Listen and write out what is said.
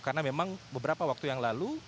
karena memang beberapa waktu yang lalu